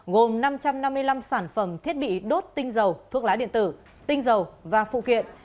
gồm năm trăm năm mươi năm sản phẩm thiết bị đốt tinh dầu thuốc lá điện tử tinh dầu và phụ kiện